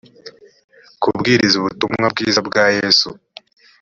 kubwiriza ubutumwa bwiza bwa yesu